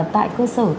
tại cơ sở